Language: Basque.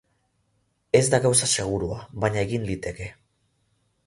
Ez da gauza segurua, baina egin liteke.